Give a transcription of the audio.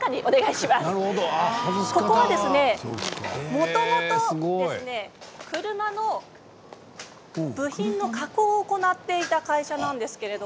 もともとは車の部品の加工を行っていた会社なんです。